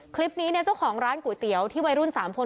คลิปนี้เนี่ยเจ้าของร้านก๋วยเตี๋ยวที่วัยรุ่น๓คน